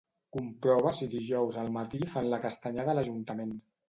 Comprova si dijous al matí fan la castanyada a l'Ajuntament.